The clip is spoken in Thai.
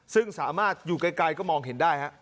ซึ่งสามารถอยู่ไกลก็มองเห็นได้ฮะ